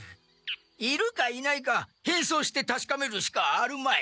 いるかいないか変装してたしかめるしかあるまい。